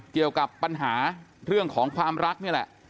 เกี่ยวกับปัญหาเรื่องของความรักนี่แหละ